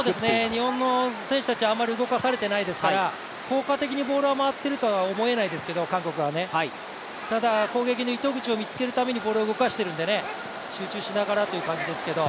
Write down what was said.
日本の選手たちはあまり動かされていないですから、効果的にボールは回ってるとは思えないですけど、韓国はね、ただ、攻撃の糸口を見つけるためにボールを動かしているので集中しながらという感じですけど。